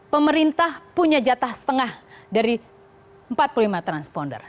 pemerintah punya jatah setengah dari empat puluh lima transponder